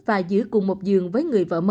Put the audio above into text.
và giữ cùng một cái